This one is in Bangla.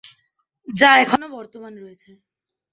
যা এখনও বর্তমান রয়েছে।